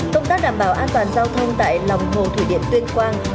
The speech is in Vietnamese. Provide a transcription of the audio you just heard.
công tác đảm bảo an toàn giao thông tại lòng hồ thủy điện tuyên quang